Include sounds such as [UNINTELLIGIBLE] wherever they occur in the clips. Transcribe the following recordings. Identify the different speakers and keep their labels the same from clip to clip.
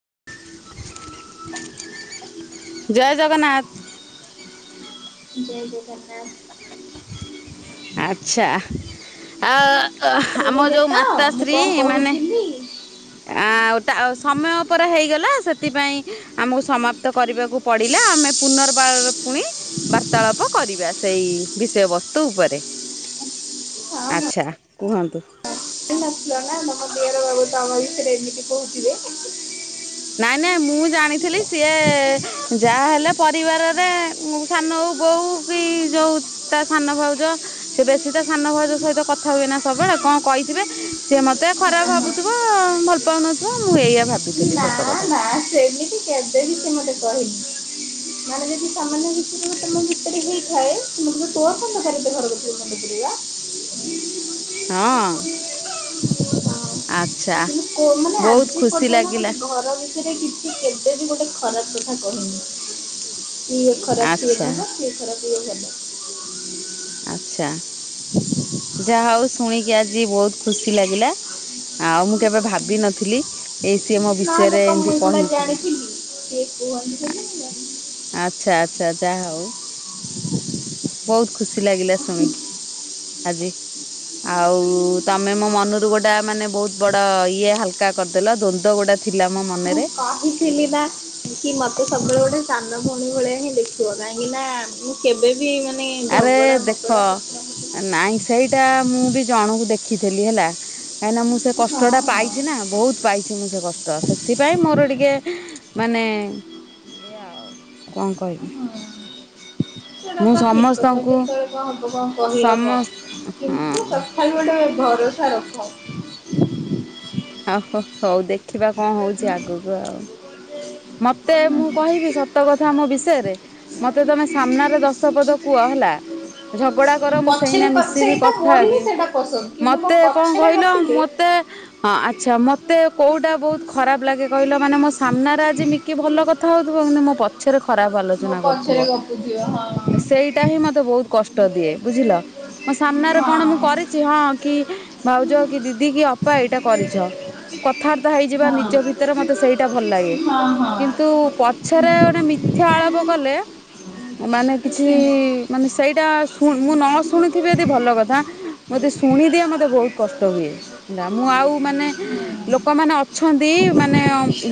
Speaker 1: [INAUDIBLE] ଜୟ ଜଗନ୍ନାଥ।
Speaker 2: ଜୟ ଜଗନ୍ନାଥ।
Speaker 1: ଆଚ୍ଛା ଆ ହ ଆମ
Speaker 2: ଶୁଣିଲେ
Speaker 1: ଯୋଉ
Speaker 2: ତ
Speaker 1: ମାତା
Speaker 2: ମୁଁ
Speaker 1: ଶ୍ରୀ
Speaker 2: କଣ
Speaker 1: ମାନେ
Speaker 2: କହୁଥିଲି ହଁ
Speaker 1: ଆଉ ତାଉ ସମୟ ପରା ହେଇଗଲା ସେଥିପାଇଁ ଆମକୁ ସମାପ୍ତ କରିବାକୁ କୁ ପଡ଼ିଲା ଆମେ ପୁନର୍ବାର ପୁଣି ବାର୍ତ୍ତାଳାପ କରିବା ସେଇ ବିଷୟବସ୍ତୁ ଉପରେ।
Speaker 2: ହଁ
Speaker 1: ଆଚ୍ଛା କୁହନ୍ତୁ?
Speaker 2: [UNINTELLIGIBLE] [UNINTELLIGIBLE]
Speaker 1: ନାଇଁ ନାଇଁ ମୁଁ ଜାଣିଥିଲି ସିଏ ଯାହା ହେଲେ ପରିବାରରେ ସାନ ହଉ ବୋଉ କି ଯୋଉ ତା ସାନ ଭାଉଜ ସେ ବେଶୀ ତା ସାନ ଭାଉଜ ସହିତ କଥା ହୁଏନା ସବୁବେଳେ କଣ କହିଥିବେ? ସିଏ ମତେ ଖରାପ
Speaker 2: ହଁ
Speaker 1: ଭାବୁଥିବ ଭଲ ପାଉନଥିବ ମୁଁ ଏଇଆ ଭାବିଥିଲି
Speaker 2: ନା
Speaker 1: ସତକଥା।
Speaker 2: ନା ସେମିତି କେବେବି ସେ ମତେ କହିନି। ମାନେ ଯଦି ସାମାନ୍ୟ ଭିତରେ ତମ ଭିତରେ ହେଇଥାଏ ସେ ମତେ କହିବେ ତୋର କଣ ଦରକାର ଏତେ ଘରଭିତରକୁ ମୁଣ୍ଡ ପୁରେଇଆ
Speaker 1: ହଁ।
Speaker 2: ହଁ
Speaker 1: ଆଚ୍ଛା
Speaker 2: କିନ୍ତୁ କୋ-
Speaker 1: ବହୁତ ଖୁସି ଲାଗିଲା।
Speaker 2: ସେରେ କିଛି କେବେ ବି ଗୋଟେ ଖରାପ୍ କଥା କହିନି ଇଏ ଖରାପ୍ ସିଏ
Speaker 1: ଆଚ୍ଛା
Speaker 2: ଭଲ ସିଏ ଖରାପ୍ ଇଏ ଭଲ।
Speaker 1: ଆଚ୍ଛା ଯାହା ହଉ ଶୁଣିକି ଆଜି ବହୁତ ଖୁସି ଲାଗିଲା। ଆଉ ମୁଁ କେବେ ଭାବିିନଥିଲି ଏଇ ସିଏ ମୋ
Speaker 2: ନହେଲେ
Speaker 1: ବିଷୟରେ
Speaker 2: କଣ ମୁଁ
Speaker 1: ଏମିତି
Speaker 2: ଏଗୁଡା
Speaker 1: କହିଥିବେ।
Speaker 2: ଜାଣିଥିଲି ସିଏ କୁହନ୍ତି ନା
Speaker 1: ଆଚ୍ଛା ଆଚ୍ଛା ଯାହା ହଉ। ବହୁତ ଖୁସି ଲାଗିଲା ଶୁଣିକି ଆଜି ଆଉ ତମେ ମୋ ମନରୁ ଗୋଟା ମାନେ ବହୁତ ବଡ଼ ଇଏ ହାଲକା କରିଦେଲ ଦ୍ୱନ୍ଦ ଗୁଟା ଥିଲା ମୋ
Speaker 2: ମୁଁ
Speaker 1: ମନେରେ
Speaker 2: କହିଥିଲି ନା କି ମତେ ସବୁବେଳେ ଗୋଟେ ସାନ ଭଉଣୀ ଭଳିଆ ହିଁ ଦେଖିବ କାହିଁକି ନା କେବେ ବି ମାନେ
Speaker 1: ଆରେ
Speaker 2: ଝଗଡ଼ା
Speaker 1: ଦେଖ
Speaker 2: ମଗଡ଼ା ସେଥିପାଇଁ
Speaker 1: ନାଇଁ ସେଇଟା ମୁଁ ବି ଜଣକୁ ଦେଖିଥିଲି ହେଲା। କାହିଁକିନା ମୁଁ ସେ
Speaker 2: ହଁ
Speaker 1: କଷ୍ଟଟା
Speaker 2: ହଁ।
Speaker 1: ପାଇଛି ନା ବହୁତ ପାଇଛି ମୁଁ ସେ କଷ୍ଟ ସେଥିପାଇଁ ମୋର ଟିକେ ମାନେ ଏଇଆ ଆଉ କଣ କହିବି?
Speaker 2: ସେଇଟା
Speaker 1: ମୁଁ
Speaker 2: ତ ଠିକ୍ କଥା
Speaker 1: ସମସ୍ତଙ୍କୁ
Speaker 2: କେତେବେଳେ କଣ ହବ କଣ କହିହବ
Speaker 1: ସମସ୍ତ
Speaker 2: କିନ୍ତୁ
Speaker 1: ହଁ
Speaker 2: ସ ଖାଲି ଗୋଟେ ଭରସା ରଖ।
Speaker 1: ଆଉ ହୋ ହଉ ଦେଖିବା କଣ ହଉଛି ଆଗୁକୁ ଆଉ। ମତେ ମୁଁ କହିବି ସତ କଥା ମୋ ବିଷୟରେ ମୋତେ ତୁମେ ସାମ୍ନାରେ ଦଶ ପଦ କୁହ ହେଲା। ଝଗଡା କର ମୁଁ
Speaker 2: ପଛରେ
Speaker 1: ସେଇନା
Speaker 2: କ
Speaker 1: ମିଶିବି
Speaker 2: ସେଇଟା
Speaker 1: କଥା
Speaker 2: ମୋର ହିଁ
Speaker 1: ହେବି
Speaker 2: ସେଇଟା ପସନ୍ଦ କିନ୍ତୁ ମୋ
Speaker 1: ମତେ କଣ
Speaker 2: ପଛରେ
Speaker 1: କହିଲ
Speaker 2: ଗପିଲେ
Speaker 1: ମତେ ହଁ ଆଚ୍ଛା ମତେ କୋଉଟା ବୋହୁତ ଖରାପ ଲାଗେ କହିଲ ମାନେ ମୋ ସାମ୍ନାରେ ଯେ ମିକେ ଭଲ କଥା ହୋଉଥିବ କିନ୍ତୁ ମୋ ପଛରେ ଖରାପ
Speaker 2: ମୋ
Speaker 1: ଆଲୋଚନା କରୁଥିବ।
Speaker 2: ପଛରେ ଗପୁଥିବ ହଁ।
Speaker 1: ସେଇଟା ହିଁ ମତେ ହୋହୁତ କଷ୍ଟ ଦିଏ ବୁଝିଲ ମୋ ସାମ୍ନାରେ କଣ ମୁଁ କରିଚି ହଁ କି ଭାଉଜ କି ଦିଦି କି ଅପା ଏଇଟା କରିଛ। କଥାବାର୍ତ୍ତା ହେଇଯିବା ନିଜ ଭିତରେ ମତେ ସେଇଟା ଭଲ ଲାଗେ। କିନ୍ତୁ ପଛରେ
Speaker 2: ହୁଁ
Speaker 1: ଗୋଟେ ମିଥ୍ୟା ଆଳପ କଲେ ମାନେ କିଛି ମାନେ ସେଇଟା ସୁ ମୁଁ ନ ଶୁଣିଥିବି ଯଦି ଭଲ କଥା ମତେ ଶୁଣିଦିଏ ମତେ ବୋହୁତ କଷ୍ଟ ହୁଏ। ନା ମୁଁ ଆଉ ମାନେ
Speaker 2: ହୁଁ।
Speaker 1: ଲୋକମାନେ ଅଛନ୍ତି
Speaker 2: ହଁ
Speaker 1: ମାନେ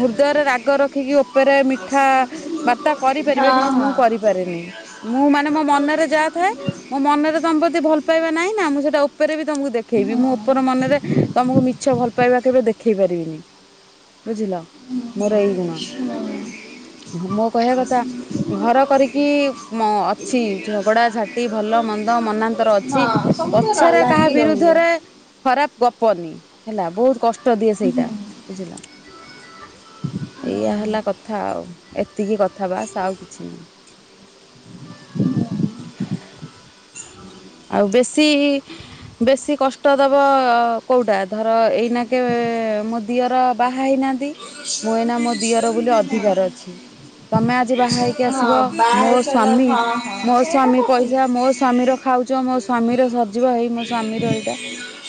Speaker 1: ହୃଦୟରେ ରାଗ ର ରଖିକି ଉପରେ ମିଠା ବାର୍ତ୍ତା କରିପାରିବେ
Speaker 2: ହଁ
Speaker 1: କିନ୍ତୁ ମୁଁ କରିପାରେନି। ମୁଁ ମାନେ ମୋ ମନରେ ଯାହା ଥାଏ। ମୋ ମନରେ ତମ ପ୍ରତି ଭଲ ପାଇବା ନାଇଁ ନା ମୁଁ ସେଟା ଉପରେ ବି ତମକୁ ଦେଖେଇବି
Speaker 2: ହଁ।
Speaker 1: ମୁଁ ଉପର ମନରେ ତମକୁ ମିଛ ଭଲ ଭଲ ପାଇବା କେବେ ଦେଖେଇ ପାରିବିନି ବୁଝିଲ
Speaker 2: ହୁଁ
Speaker 1: ମୋର
Speaker 2: ହଁ
Speaker 1: ଏଇ ଗୁଣ। ମୋ କହିବା କଥା। ଘର କରିକି ଅଛି ଝଗଡା ଝାଟି ଭଲ ମନ୍ଦ ମନାନ୍ତର ଅଛି।
Speaker 2: ସବୁବେଳେ
Speaker 1: ପଛରେ କାହା
Speaker 2: ଲାଗି ରହିବ।
Speaker 1: ବିରୁଦ୍ଧରେ ଖରାପ ଗପନି ହେଲା ବୋହୁତ କଷ୍ଟ ଦିଏ
Speaker 2: ହୁଁ
Speaker 1: ସେଇଟା
Speaker 2: ହଁ।
Speaker 1: ବୁଝିଲ। ଏଇଆ ହେଲା କଥା ଆଉ ଏତିକି କଥା ବାସ୍ ଆଉ କିଛି ନୁହଁ। ଆଉ ବେଶୀ ବେଶୀ କଷ୍ଟ ଦବ କୋଉଟା ଧର ଏଇନା କେ ମୁ ଦିଅର ବାହା ହେଇନାହାନ୍ତି ମୁଁ ଏଇନା ମୋ ଦିଅର ବୋଲି ଅଧିକାର ଅଛି। ତମେ ଆଜି ବାହା ହେଇକି ଆସିବ
Speaker 2: ହଁ ବାହା
Speaker 1: ମୋ
Speaker 2: ହେଇସାରିଲା
Speaker 1: ସ୍ଵାମୀ
Speaker 2: ହଁ ହଁ
Speaker 1: ମୋ
Speaker 2: ସେଇଟା
Speaker 1: ସ୍ଵାମୀ
Speaker 2: ତ ଠିକ୍।
Speaker 1: ପଇସା ମୋ ସ୍ୱାମୀର ଖାଉଚ ମୋ ସ୍ଵାମୀର ସ ଯିବ ହେଇ ମୋ ସ୍ଵାମୀ ର ଏଇଟା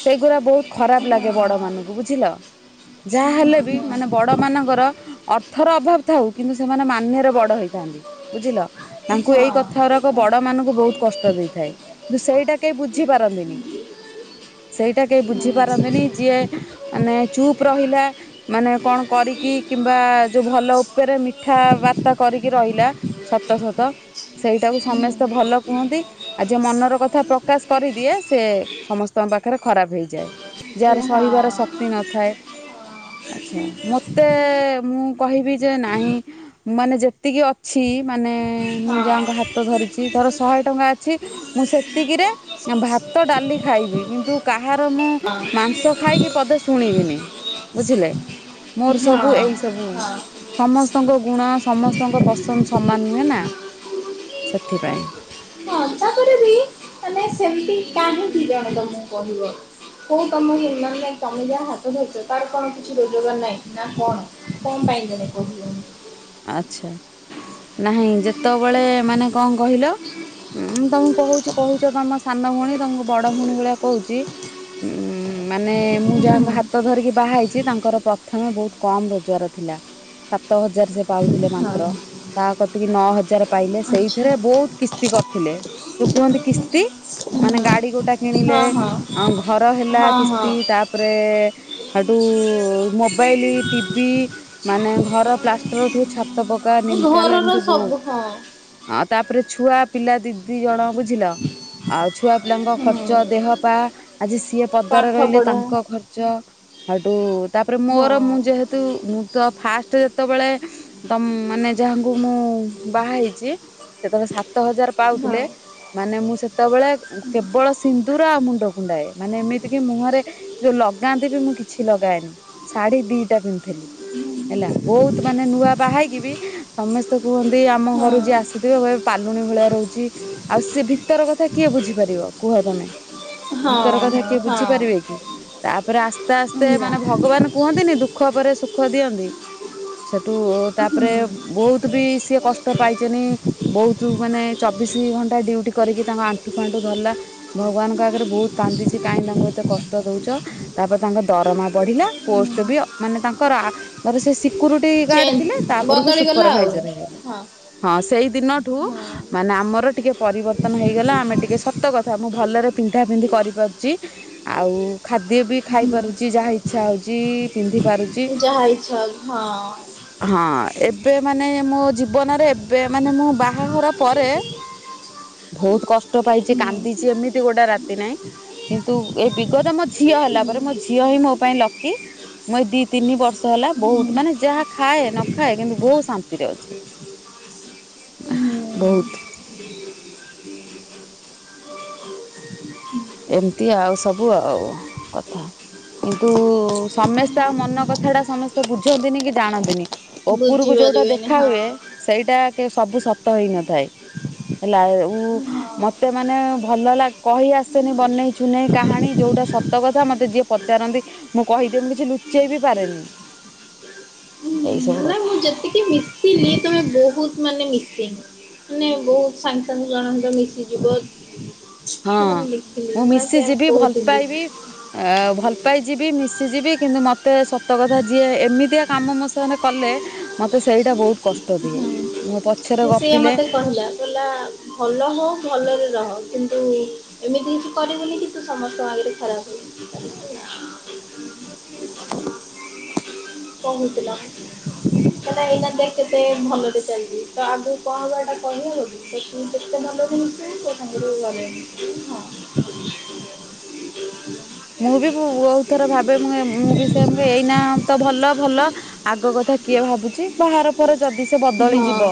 Speaker 1: ସେଇଗୁଡା ବୋହୁତ
Speaker 2: ହଁ
Speaker 1: ଖରାପ
Speaker 2: ହଁ
Speaker 1: ଲାଗେ ବଡ
Speaker 2: ହଁ।
Speaker 1: ମାନଙ୍କୁ ବୁଝିଲ। ଯାହା
Speaker 2: ହଁ ହଁ
Speaker 1: ହେଲେ
Speaker 2: ହଁ
Speaker 1: ବି
Speaker 2: ହଁ।
Speaker 1: ମାନେ ବଡ ମାନଙ୍କର ଅଥ ଅଥର ଅଭାବ ଥାଉ କିନ୍ତୁ ସେମାନେ ମାନ୍ୟରେ ବଡ ହେଇଥାନ୍ତି ବୁଝିଲ ତାଙ୍କୁ
Speaker 2: ହଁ
Speaker 1: ଏଇ କଥା ଥରକ ବଡ଼ମାନାନଙ୍କୁ ବୋହୁତ କଷ୍ଟ ଦେଇଥାଏ କିନ୍ତୁ ସେଇଟା କେହି ବୁଝିପାରନ୍ତିନି। ସେଇଟା କେହି ବୁଝିପାରନ୍ତିନି ଯିଏ ମାନେ ଚୁପ୍ ରହିଲା ମାନେ କଣ କରିକି କିମ୍ବା ଯୋଉ ଭଲ ଉପରେ ମିଠା ବାାର୍ତ୍ତା କରିକି ରହିଲା ସତ ସତ ସେଇଟାକୁ ସମସ୍ତେ ଭଲ କୁହନ୍ତି। ଆ ଯିଏ ମନର କଥା ପ୍ରକାଶ କରିଦିଏ ସେ ସମସ୍ତଙ୍କ ପାଖରେ ଖରାପ ହେଇଯାଏ। ଯାହାର ସହିବାର ଶକ୍ତି ନଥାଏ। ଆଛା ମତେ ମୁଁ କହିବି ଯେ ନାହିଁ ମାନେ ଯେତିକି ଅଛି ମାନେ ମୁଁ ଯାଣ ହାତ ଧରିଚି ଧର ଶହେ ଟଙ୍କା ଅଛି ମୁଁ ସେତିକିରେ ଭାତ, ଡାଲି ଖାଇବି କିନ୍ତୁ କାହାର ମୁଁ ମାଂସ ଖାଇକି ପଦେ ଶୁଣିବିନି। ବୁଝିଲେ ମୋର ସବୁ ଏଇ ସବୁ
Speaker 2: ହଁ
Speaker 1: ସମସ୍ତଙ୍କ ଗୁଣ ସମସ୍ତଙ୍କ ପସନ୍ଦ ସମାନ ନୁହେଁ ନା। ସେଥିପାଇଁ।
Speaker 2: ପଦ କରେ ବି ମାନେ ସେମିତି କାହିଁ ଜଣେ ତମକୁ କହିବ। ବୋଉ ତମ ନିର୍ମାଣ ନାହିଁ ତମେ ଯା ହାତ ଧରିଚ ତାରେ କଣ କିଛି ରୋଜଗାର ନାହିଁ ନା କଣ? କଁ ପାଇଁ ଜଣେ କହିଲେ।
Speaker 1: ଆଛା ନାହିଁ ଯେତେବେଳେ ମାନେ କଁ କହିଲ? ହୁଁଁ ତମକୁ କହୁଛି କହୁଛ ତମ ସାନ ଭଉଣୀ ତମକୁ ବଡ ଭଉଣୀ ଭଳିଆ କହୁଛି। ଉଁ ମାନେ ମୁଁ ଯାହାଙ୍କ ହାତ ଧରିକି ବାହା ହେଇଛି ତାଙ୍କର ପ୍ରଥମେ ବହୁତ କମ ରୋଜଗାର ଥିଲା। ସାତ ହଜାର ସେ ପାଉଥିଲେ
Speaker 2: ହଁ
Speaker 1: ମାତ୍ର। ତା କତିକି ନଅ ହଜାର ପାଇଲେ
Speaker 2: ଆଚ୍ଛା।
Speaker 1: ସେଇଥିରେ ବହୁତ କିସ୍ତି କରିଥିଲେ। ତୋ କୁହନ୍ତି କିସ୍ତି
Speaker 2: ହଁ
Speaker 1: ମାନେ ଗାଡି ଗୋ ଟା କିଣିଲେ
Speaker 2: ହଁ ହଁ
Speaker 1: ଆଉ ଘର ହେଲା
Speaker 2: ହଁ
Speaker 1: କିସ୍ତି ତା ତାପରେ ହେଠୁ ମୋବାଇଲ ଟି ଭି ମାନେ ଘର ପ୍ଲାଷ୍ଟ ପରଠୁ ଛାତ ପକା
Speaker 2: ହଁ
Speaker 1: ନିମଟିଲ
Speaker 2: ଘରର
Speaker 1: ଏମିତି ବହୁତ।
Speaker 2: ସବୁ ହଁ।
Speaker 1: ଅଁ ତାପରେ ଛୁଆ ପିଲା ଦି ଦି ଜଣ ବୁଝିଲ? ଆଉ ଛୁଆ ପିଲାଙ୍କ ଖର୍ଚ୍ଚ
Speaker 2: ହୁଁ
Speaker 1: ଦେହ ପା ଆଜି ସିଏ ପଦାରେ
Speaker 2: ପାଠ
Speaker 1: ରହିଲେ
Speaker 2: ପଢା
Speaker 1: ତାଙ୍କ ଖର୍ଚ୍ଚ। ହେଠୁ ତାପରେ ମୋର ମୁଁ
Speaker 2: ହଁ।
Speaker 1: ଯେହେତୁ ମୁଁ ତ ଫାଷ୍ଟ ଯେତେବେଳେ ତମ ମାନେ ଯାହାଙ୍କୁ ମୁଁ ବାହାହେଇଚି ସେତେବେଳେ ସାତ ହଜାର ପାଉଥିଲେ।
Speaker 2: ହଁ।
Speaker 1: ମାନେ ମୁଁ ସେତେବେଳେ କେବଳ ସିନ୍ଦୁର ଆଉ ମୁଣ୍ଡ କୁଣ୍ଡାଏ। ମାନେ ଏମିତିକି ମୁହଁରେ ଯୋଉ ଲଗାନ୍ତି ବି ମୁଁ କିଛି ଲଗାଏନି। ଶାଢୀ ଦିଟା ପିନ୍ଧିଥିଲି ହେଲା ବହୁତ ମାନେ ନୂଆ ବା ହେଇକି ବି ସମସ୍ତେ କୁହନ୍ତି ଆମ
Speaker 2: ହଁ
Speaker 1: ଘରୁ ଯିଏ ଆସିଥିବେ କହିବେ ପାଲୁଣି ଭଳିଆ ରହୁଛି। ଆଉ ସେ ଭିତର କଥା କିଏ ବୁଝିପାରିବ କୁହ ତମେ? ଭିତର
Speaker 2: ହଁ
Speaker 1: କଥା କିଏ
Speaker 2: ହଁ
Speaker 1: ବୁଝିପାରିବେ କି? ତାପରେ ଆସ୍ତେ
Speaker 2: ହଁ
Speaker 1: ଆସ୍ତେ
Speaker 2: ନା
Speaker 1: ମାନେ ଭଗବାନ କୁହନ୍ତିନି ଦୁଃଖ ପରେ ସୁଖ ଦିଅନ୍ତି। ସେଠୁ
Speaker 2: ହୁଁ।
Speaker 1: ତାପରେ ବହୁତ ବି ସିଏ କଷ୍ଟ ପାଇଚନ୍ତି। ବହୁତ୍ ମାନେ ଚବିଶି ଘଣ୍ଟା ଡ୍ୟୁଟି କରିକି ତାଙ୍କ ଆଣ୍ଠୁ ଫାଣ୍ଠୁ ଧରିଲା। ଭଗବାନ୍ ଙ୍କ ଆଗରେ ବୋହୁତ୍ କାନ୍ଦିଚି କାହିଁକି ତାଙ୍କୁ ଏତେ କଷ୍ଟ ଦୋଉଚ। ତାପରେ ତାଙ୍କ ଦରମା ବଢ଼ିଲା ପୋଷ୍ଟ୍ ବି ଅ ମାନେ ତାଙ୍କର ଆ ଧର ସେ ଶି ସିକ୍ୟୁରିଟି ଗାର୍ଡ
Speaker 2: ଚେଞ୍ଜ
Speaker 1: ଥିଲେ। ତା ପରକୁ
Speaker 2: ବଦଳିଗଲା
Speaker 1: ସୁପର୍
Speaker 2: ଆଉ
Speaker 1: ଭାଇଜର୍ ହେଇଗଲେ।
Speaker 2: ହଁ
Speaker 1: ହଁ ସେଇ ଦିନଠୁ
Speaker 2: ହଁ
Speaker 1: ମାନେ ଆମର ଟିକେ ପରିବର୍ତ୍ତନ ହେଇଗଲା। ଆମେ ଟିକେ ସତ କଥା ମୁଁ ଭଲରେ ପିନ୍ଧା ପିନ୍ଧି କରି ପାରୁଚି। ଆଉ ଖାଦ୍ୟ ବି ଖାଇ
Speaker 2: ହୁଁ।
Speaker 1: ପାରୁଚି। ଯାହା ଇଚ୍ଛା ହୋଉଚି ପିନ୍ଧି ପାରୁଚି।
Speaker 2: ଯାହା ଇଚ୍ଛା ହୋଉଛି ହଁ।
Speaker 1: ହଁ ଏବେ ମାନେ ମୋ ଜୀବନରେ ଏବେ ମାନେ ମୋ ବାହାଘର ପରେ ଭୋହୁତ୍ କଷ୍ଟ ପାଇଚି
Speaker 2: ହୁଁ
Speaker 1: କାନ୍ଦିଚି ଏମିତି ଗୋଟାଏ ରାତି ତି ନାହିଁ। କିନ୍ତୁ ଏ ବିଗତ ମୋ ଝିଅ ହେଲା ପରେ ମୋ ଝିଅ ହିଁ ମୋ ପାଇଁ ଲକି। ମୁଁ ଏଇ ଦି ତିନି ବର୍ଷ ହେଲା
Speaker 2: ହୁଁ
Speaker 1: ବୋହୁ ଯାହା ଖାଏ ନଖାଏ କିନ୍ତୁ ବୋହୁତ୍ ଶାନ୍ତିରେ ଅଛି
Speaker 2: ହୁଁ
Speaker 1: ବୋହୁତ୍।
Speaker 2: [UNINTELLIGIBLE]
Speaker 1: ଏମିତି ଆଉ ସବୁ ଆଉ କଥା। କିନ୍ତୁ ସମେସ୍ତେ ଆଉ ମନ କଥାଟା ସମେସ୍ତେ ବୁଝନ୍ତିନି କି ଜାଣନ୍ତିନି। ଓପୁରୁକୁ ଯୋଉଟା
Speaker 2: ବୁଝିପାରିବେନି
Speaker 1: ଦେଖା
Speaker 2: ହଁ ହଁ
Speaker 1: ହୁଏ। ସେଇଟା କେବେ ସବୁ ସତ ହୋଇ ନଥାଏ। ହେଲା ଏ
Speaker 2: ହଁ।
Speaker 1: ମତେ ମାନେ ଭଲ ଲା କହି ଆସୁନି ବନେଇ ଚୁନେଇ କାହାଣୀ ଯୋଉଟା ସତ କଥା ମୋତେ ଯିଏ ପ ପଚାରନ୍ତି ମୁଁ କହି ଦିଏ ମୁଁ କିଛି ଲୁଚେଇ ବି ପାରେନି ଏଇ ସବୁ
Speaker 2: ନାଇଁ ମୁଁ
Speaker 1: କଥା।
Speaker 2: ଯେତିକି ମିସିଲି ତମେ ବୋହୁତ୍ ମାନେ ମିଶିଙ୍ଗ। ମାନେ ବୋହୁତ୍ ସାଙ୍ଗେ ସାଙ୍ଗେ ଜଣଙ୍କ ସହିତ ମିଶି ଯିବ।
Speaker 1: ହଁ ମୁଁ ମିଶି ଯିବି, ଭଲ୍
Speaker 2: କହୁଥିଲି
Speaker 1: ପାଇବି। ଆ ଭଲ୍ ପାଇ ଯିବି, ମିଶିଯିବି କିନ୍ତୁ ମତେ ସତ କଥା ଯିଏ ଏମିତିଆ କାମ ମୋ ସାଙ୍ଗରେ କଲେ, ମତେ ସେଇଟା ବୋହୁତ୍ କଷ୍ଟ ଦିଏ,
Speaker 2: ହୁଁ
Speaker 1: ମୋ ପଛରେ ଗପିଲେ
Speaker 2: ହେଲା ଭଲ ହୋଉ ଭଲରେ ରହ କିନ୍ତୁ ଏମିତି କିଛି କରିବୁନି କି ତୁ ସମସ୍ତଙ୍କ ଆଗେରେ ଖରାପ୍ ହେଇ କଁ ହେଇ ଥିଲା? ମାନେ ଏଇନା ଦେଖ୍ କେତେ ଭଲରେ ଚାଲଚି, ତ ଆଗୁକୁ କଣ ହବ ହେଟା କହିହବ କି? [UNINTELLIGIBLE] ଯେତେ ଭଲ ରେ ମିଶିବୁ, ତୋ ସାଙ୍ଗରେ ବି ଭଲରେ ମିସିବୁ, ହଁ
Speaker 1: ମୁଁ ବି ଭୋ ବୋହୁତ୍ ଥର ଭାବେ ମୁଁ ଏ ମୁଁ ବି ସେମ୍ ଏଇନା ତ ଭଲ। ଭଲ, ଆଗ କଥା କିଏ ଭାବୁଚି, ବାହାଘର ପରେ ଯଦି ସେ ବଦଳି
Speaker 2: ହଁ
Speaker 1: ଯିବ।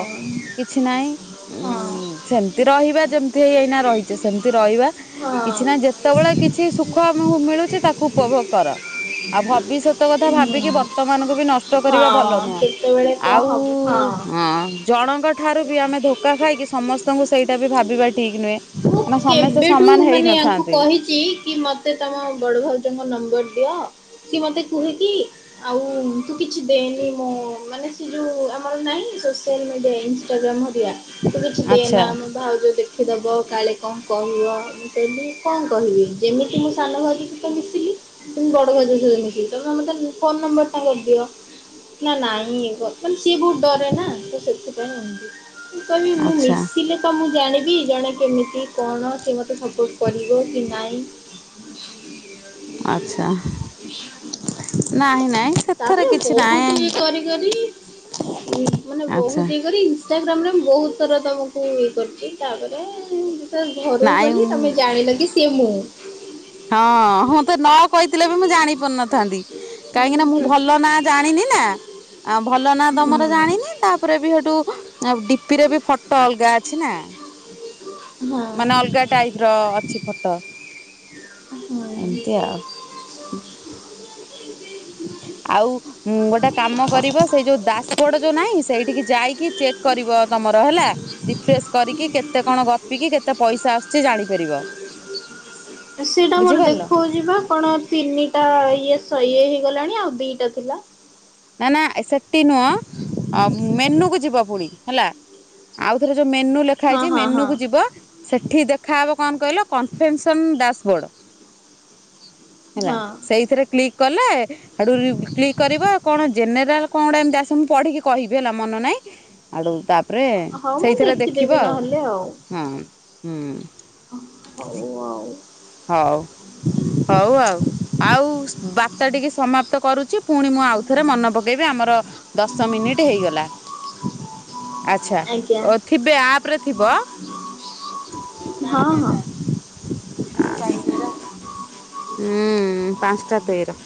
Speaker 1: କିଛି ନାଇଁ, ଉଁ
Speaker 2: ହଁ
Speaker 1: ସେମିତି ରହିବା ଯେମିତି ଏଇ ଏଇନା ରହିଛେ ସେମିତି ରହିବା। କିଛି ନାଇଁ
Speaker 2: ହଁ
Speaker 1: ଯେତେବେଳେ କିଛି ସୁଖ ଆମକୁ ମିଳୁଚି ତାକୁ ଉପଭୋଗ କର। ଆଉ ଭବିଷ୍ୟତ କଥା ଭାବିକି
Speaker 2: ହୁଁ
Speaker 1: ବର୍ତମାନକୁ ବି ନଷ୍ଟ କରିବା ଭଲ
Speaker 2: ହଁ
Speaker 1: ନୁହଁ।
Speaker 2: କେତେବେଳେ କଣ
Speaker 1: ଆଉ
Speaker 2: ହବ
Speaker 1: ହଁ। ଜଣଙ୍କ ଠାରୁ ବି ଆମେ ଧୋକା ଖାଇକି ସମସ୍ତଙ୍କୁ ସେଇଟା ବି ଭାବି ବା
Speaker 2: ମୁଁ କେବେଠୁ ମାନେ ୟାଙ୍କୁ
Speaker 1: ହେଇନଥାନ୍ତି
Speaker 2: କହିଚି କି ମ ମତେ ତମ ବଡ଼ ଭାଉଜଙ୍କ ନମ୍ବର ଦିଅ, ସେ ମତେ କୁହେ କି ଆଉ ତୁ କିଛି ଦେନି ମୋ ମାନେ ସେ ଯୋଉ ଆମର ନାଇଁ ସୋସିଆଲ୍ ମିଡ଼ିଆରେ ଇନଷ୍ଟାଗ୍ରାମ୍ ହେରିଆ, ତୁ କିଛି
Speaker 1: ଆଚ୍ଛା
Speaker 2: ଦେନା ମୋ ଭାଉଜ ଦେଖି ଦବ। କାଳେ କଁ କହିବ, ମୁଁ କହିଲି କଁ କହିବେ, ଯେମିତି ମୁଁ ସାନ ଭାଉଜ ସହିତ ମିଶିଲି ସେମିତି ବଡ଼ ଭାଉଜ ସହିତ ମିଶିବି, ତମେ ମତେ ଫୋନ୍ ନମ୍ବର ଟା ଆଗେ ଦିଅ। ନା ନାଇଁ ତ ମାନେ ସିଏ ବୋହୁତ୍ ଡ଼ରେ ନା ତ ସେଥିପାଇଁ ଏମତି। ମୁଁ କହିବି ମୁଁ
Speaker 1: ଆଚ୍ଛା
Speaker 2: ମିଶିଲେ ତ ମୁଁ ଜାଣିବି, ଜଣେ କେମିତି କଣ ସେ ମତେ ସପୋର୍ଟ କରିବ କି ନାଇଁ।
Speaker 1: ଆଚ୍ଛା। ନାହିଁ ନାଇଁ ସେଥେରେ କିଛି ନାଇଁ।
Speaker 2: ୟେ ମାନେ
Speaker 1: ଆଚ୍ଛା
Speaker 2: ବୋହୁତ୍ ଇଏ କରି ଇନଷ୍ଟାଗ୍ରାମ୍ ରେ ମୁଁ ବୋହୁତ୍ ଥର ତମକୁ ଇଏ କରିଛି, ତାପରେ ତ ଘରୁ
Speaker 1: ନାଇଁ
Speaker 2: ଗଲି
Speaker 1: ମୁଁ
Speaker 2: ତମେ ଜାଣିଲ କି ସିଏ ମୁଁ।
Speaker 1: ହଁ ହଁ ତୁ ନ କହିଥିଲେ ବି ମୁଁ ଜାଣିପାରିନଥାନ୍ତି କାହିଁକି ନା ମୁଁ
Speaker 2: ହୁଁ
Speaker 1: ଭଲ ନା ଜାଣିନି ନା ଆ ଭଲ ନା
Speaker 2: ହୁଁ
Speaker 1: ତମର
Speaker 2: ହଁ। ହୁଁ।
Speaker 1: ଜାଣିନି ତାପରେ ବି ହେଠୁ ଆଉ ଡିପିରେ ବି ଫଟ ଅଲଗା ଅଛି ନା ମାନେ ଅଲଗା ଟାଇପ୍ ର ଅଛି ଫଟ ଏମତି ଆଉ।
Speaker 2: [UNINTELLIGIBLE]
Speaker 1: ଆଉ। ଉଁ ଗୋଟେ କାମ କରିବ ସେଇ ଯୋଉ ଦାସବୋଡ ଯୋଉ ନାଇଁ ସେଇଠିକି ଯାଇକି ଚେକ୍ କରିବ ତମର ହେଲା। ରିଫ୍ରେଶ କରିକି କେତେ କଣ ଗପିକି କେତେ ପଇସା ଆସୁଛି ଜାଣିପାରିବ।
Speaker 2: [UNINTELLIGIBLE] ସେଇଟା ମୋର
Speaker 1: ବୁଝିପାରିଲ
Speaker 2: ଦେଖଉ ଯିବା କଣ ତିନିଟା ଇଏ ଶ ହେଇଗଲାଣି ଆଉ ଦିଇଟା ଥିଲା।
Speaker 1: ନା ନା ଏ ସେଠଟି ନୁହଁ ମେନୁ କୁ ଯିବ ପୁଣି ହେଲା। ଆଉ ଥରେ ଯୋଉ ମେନୁ ଲେଖା
Speaker 2: ହଁ
Speaker 1: ହେଇଛି
Speaker 2: ହଁ
Speaker 1: ମେନୁ
Speaker 2: ହଁ।
Speaker 1: କୁ ଯିବ। ସେଠି ଦେଖାହେବ କଣ କହିଲ କନଫେନ୍ସନ୍ ଡ୍ୟାାସବୋର୍ଡ଼। ହେଲା
Speaker 2: ହଁ
Speaker 1: ସେଇଥିରେ କ୍ଲିକ୍ କଲେ ହାଡୁ କ୍ଲିକ୍ କରିବ। କଣ ଜେନେରାଲ କଁ ଗୋଟେ ଏମତି ଆସିବ ମୁଁ ପଢିକି କହିବି ହେଲା ମନ ନାଇଁ, ଆଡୁ ତା ତାପରେ
Speaker 2: ହଉ ମୁଁ
Speaker 1: ସେଇଥିରେ ଦେଖିବ
Speaker 2: ଦେଖିଦେବି
Speaker 1: ଆଉ
Speaker 2: ନହେଲେ ଆଉ
Speaker 1: ହଁ ହୁଁ।
Speaker 2: ହଉ ଆଉ
Speaker 1: ହଉ ହଉ ଆଉ ଆଉ ବାତ୍ତା ଟିକି ସମାପ୍ତ କରୁଚି। ପୁଣି ମୁଁ ଆଉଥରେ ମନ ପକେଇବି ଆମର ଦଶ ମିନିଟ୍ ହେଇଗଲା। ଆଛା
Speaker 2: ଆଜ୍ଞା
Speaker 1: ଓ ଥିବେ ଆପରେ ଥିବ। [INAUDIBLE] [INAUDIBLE] ହୁଁ
Speaker 2: ହଁ ହଁ
Speaker 1: ପାଂସଟା ତେର